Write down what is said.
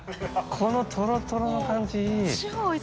このトロトロの感じいい。